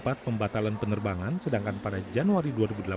dan empat pembatalan penerbangan sedangkan pada januari dua ribu delapan belas